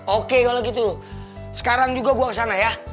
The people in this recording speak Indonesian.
oke kalau gitu sekarang juga gue kesana ya